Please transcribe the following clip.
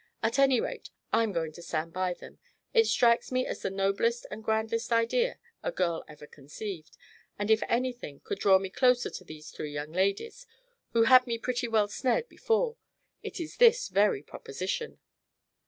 At any rate, I'm going to stand by them. It strikes me as the noblest and grandest idea a girl ever conceived, and if anything could draw me closer to these three young ladies, who had me pretty well snared before, it is this very proposition."